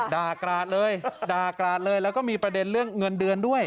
กราดเลยด่ากราดเลยแล้วก็มีประเด็นเรื่องเงินเดือนด้วย